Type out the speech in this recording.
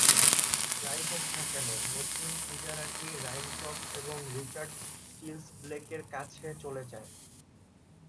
যাই হোক না কেন, নতুন ইজারাটি রাইনক্রফট এবং রিচার্ড স্টিলস ব্লেকের কাছে চলে যায়।